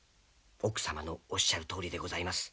奥様のおっしゃるとおりでございます。